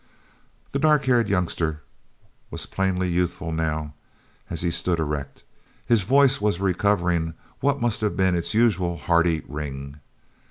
The dark haired youngster was plainly youthful now, as he stood erect. His voice was recovering what must have been its usual hearty ring.